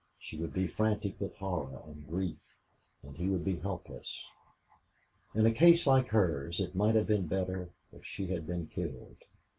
She would be frantic with horror and grief and he would be helpless. In a case like hers it might have been better if she had been killed.